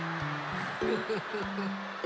フフフフ。